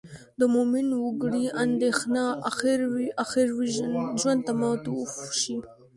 د مومن وګړي اندېښنه اخروي ژوند ته معطوف شي.